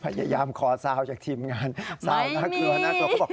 พยายามคอเซาจากทีมงานเซาน่ากลัวน่ากลัว